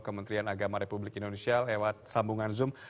kementerian agama republik indonesia lewat sambungan zoom